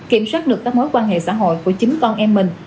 kiểm soát được các mối quan hệ xã hội của chính con em mình